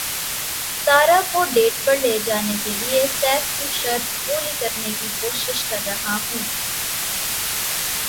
سارہ کو ڈیٹ پر لے جانے کیلئے سیف کی شرط پوری کرنے کی کوشش کررہا ہوں